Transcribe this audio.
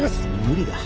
無理だ。